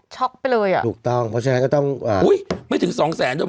ไปเลยอ่ะถูกต้องเพราะฉะนั้นก็ต้องอ่าอุ้ยไม่ถึงสองแสนด้วย